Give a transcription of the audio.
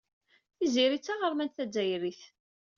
Tiziri d taɣermant tazzayrit.